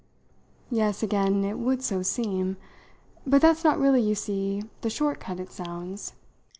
Yes again; it would so seem. But that's not really, you see, the short cut it sounds.